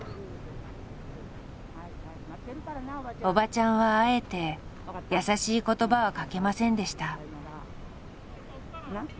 おばちゃんはあえて優しい言葉はかけませんでした。